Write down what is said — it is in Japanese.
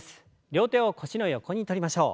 両手を腰の横に取りましょう。